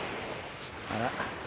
あら。